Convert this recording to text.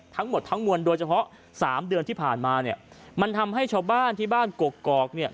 ทั้งหมดทั้งมวลโดยเฉพาะ๓เดือนที่ผ่านมาเนี่ยมันทำให้ชาวบ้านที่บ้านกกอกเนี่ย